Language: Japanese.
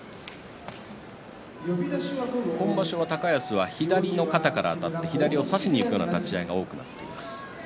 今場所、高安は左の肩からあたって左を差しにいくような立ち合いが目立っています。